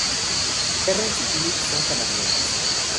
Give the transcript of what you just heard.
Terrance y Phillip son canadienses.